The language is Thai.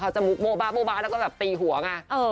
เขาจะมุกโบ๊บแล้วก็แบบตีหัวอย่างน่ะ